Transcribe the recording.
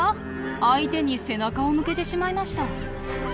相手に背中を向けてしまいました。